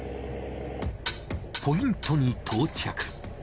ポイントに到着。